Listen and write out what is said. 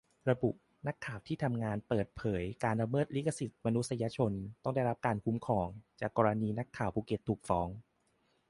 ระบุ นักข่าวที่ทำงานเปิดเผยการละเมิดสิทธิมนุษยชนต้องได้รับการคุ้มครอง จากกรณีนักข่าวภูเก็ตวันถูกฟ้อง